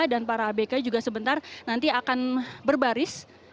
dan para abk juga sebentar nanti akan berbaris